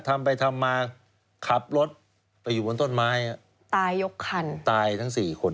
ทำไปทำมาขับรถไปอยู่บนต้นไม้ตายยกครรภ์ตายทั้ง๔คน